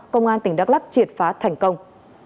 công an tỉnh đắk lắc triệt phá thành công